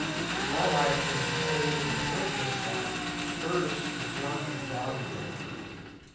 My life was an old and worthless one, hers was young and valuable.